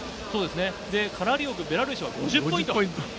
カラリオク、ベラルーシは５０ポイント。